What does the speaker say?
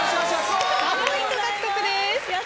３ポイント獲得です。